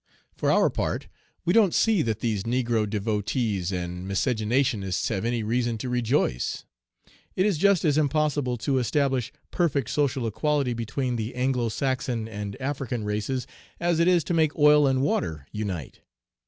For our part we don't see that these negro devotees and miscegenationists have any reason to rejoice. It is just as impossible to establish perfect social equality between the Anglo Saxon and African races as it is to make oil and water unite.